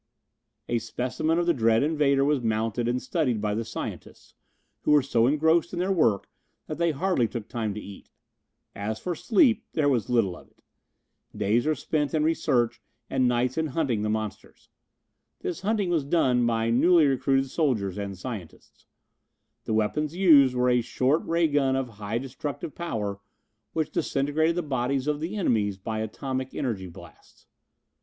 A specimen of the dread invader was mounted and studied by the scientists, who were so engrossed in their work that they hardly took time to eat. As for sleep, there was little of it. Days were spent in research and nights in hunting the monsters. This hunting was done by newly recruited soldiers and scientists. The weapons used were a short ray gun of high destructive power which disintegrated the bodies of the enemies by atomic energy blasts.